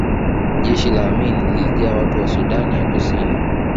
Jeshi la Amin lilijaa watu wa Sudan ya Kusini